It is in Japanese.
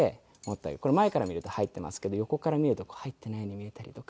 これ前から見ると入っていますけど横から見ると入っていないように見えたりとか。